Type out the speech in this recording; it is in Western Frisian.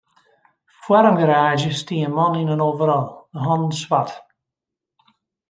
Foar in garaazje stie in man yn in overal, de hannen swart.